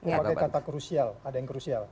memakai kata krusial ada yang krusial